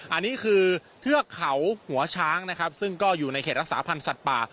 อันนี้คือเทือกเขาหัวช้างนะครับซึ่งก็อยู่ในเขตรักษาพันธ์สัตว์ป่า